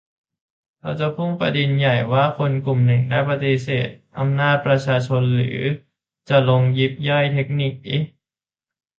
เราจะพุ่งไปประเด็นใหญ่ ว่า คนกลุ่มหนึ่งได้ปฏิเสธอำนาจประชาชน หรือจะลงยิบย่อยเทคนิค เอ๊ะ